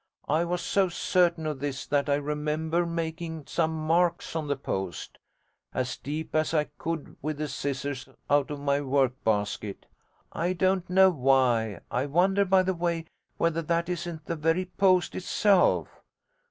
I was so certain of this that I remember making some marks on the post as deep as I could with the scissors out of my work basket. I don't know why. I wonder, by the way, whether that isn't the very post itself....